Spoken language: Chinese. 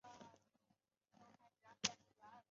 首府为曼布劳。